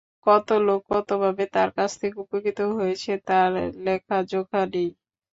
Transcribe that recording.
কত লোক কতভাবে তাঁর কাছ থেকে উপকৃত হয়েছেন, তার লেখাজোখা নেই।